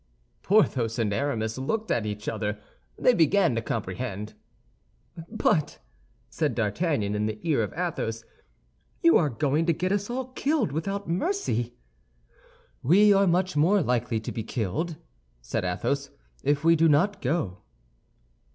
Porthos and Aramis looked at each other; they began to comprehend. "But," said D'Artagnan, in the ear of Athos, "you are going to get us all killed without mercy." "We are much more likely to be killed," said Athos, "if we do not go."